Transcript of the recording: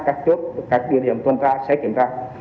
các chốt các địa điểm tuần tra sẽ kiểm tra